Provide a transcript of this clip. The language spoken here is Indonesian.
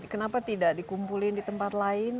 kenapa tidak dikumpulin di tempat lain